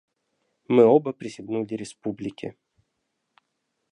Мы оба присягнули Республике.